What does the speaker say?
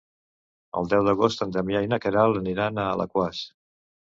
El deu d'agost en Damià i na Queralt aniran a Alaquàs.